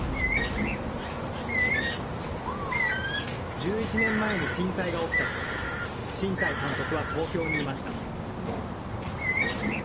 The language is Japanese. １１年前に震災が起きたとき、新海監督は東京にいました。